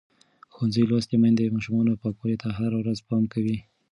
ښوونځې لوستې میندې د ماشومانو پاکوالي ته هره ورځ پام کوي.